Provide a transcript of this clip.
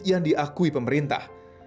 yang diakui pemerintah